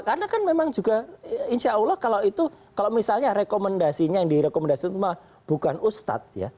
karena kan memang juga insya allah kalau itu kalau misalnya rekomendasinya yang direkomendasikan bukan ustadz ya